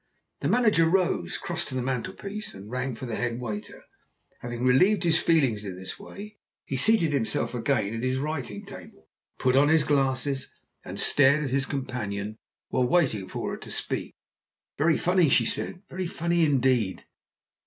The manager rose, crossed to the mantelpiece, and rang for the head waiter. Having relieved his feelings in this way, he seated himself again at his writing table, put on his glasses, and stared at his companion, while waiting for her to speak. "It's very funny," she said. "Very funny indeed!"